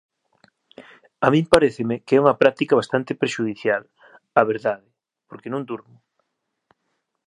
A min paréceme que é unha práctica bastante prexudicial, a verdade, porque non durmo.